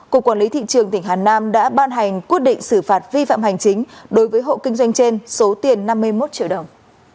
cục quản lý thị trường tỉnh hà nam đã ban hành quyết định xử phạt vi phạm hành chính đối với hộ kinh doanh trên số tiền năm mươi một triệu đồng